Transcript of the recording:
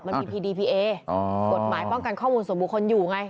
มันมีพีดีพีเออ๋อกฎหมายป้องกันข้อมูลสมบูรณ์คนอยู่ไง